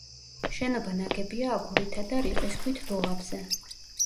შენობა ნაგებია აგურითა და რიყის ქვით დუღაბზე.